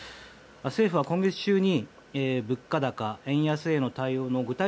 政府は今月中に物価高・円安への対応の具体